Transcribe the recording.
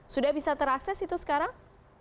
sudah bisa terakses itu sekarang